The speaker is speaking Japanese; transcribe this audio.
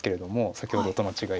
先ほどとの違いは。